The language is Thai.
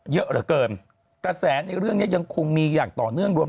เยอะเหลือเกินกระแสในเรื่องนี้ยังคงมีอย่างต่อเนื่องรวม